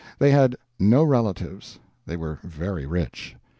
They had no relatives. They were very rich.